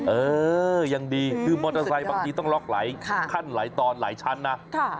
เออยังดีคือมอเตอร์ไซค์บางทีต้องล็อกหลายขั้นหลายตอนหลายชั้นนะ